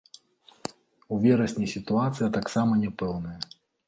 У верасні сітуацыя таксама няпэўная.